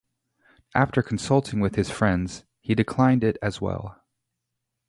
After consulting with his friends, he declined it as well.